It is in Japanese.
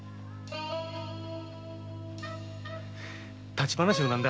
立ち話もなんだ。